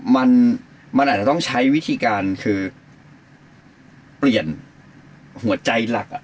มันมันอาจจะต้องใช้วิธีการคือเปลี่ยนหัวใจหลักอ่ะ